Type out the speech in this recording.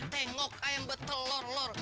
tengok ayam betel lor